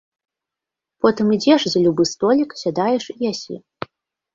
Потым ідзеш за любы столік, сядаеш і ясі.